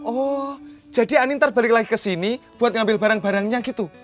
oh jadi anintar balik lagi ke sini buat ngambil barang barangnya gitu